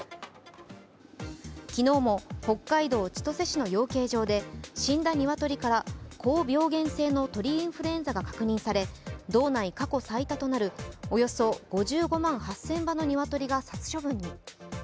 昨日も北海道千歳市の養鶏場で死んだ鶏から高病原性の鳥インフルエンザが確認され道内過去最多となるおよそ５５万８００羽の鶏が殺処分に。